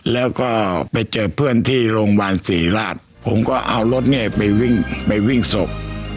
และก็เพื่อนที่ไปประตูบรวงวาลศรีราชกูจะเอารถนี้ไปวิ่งไปวิ่งศพ